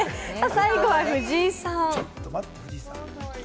最後は藤井さん。